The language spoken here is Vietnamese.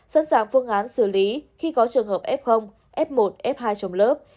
sẵn sàng phương án xử lý khi có trường hợp f f một f hai trong lớp